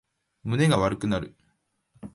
胸が悪くなる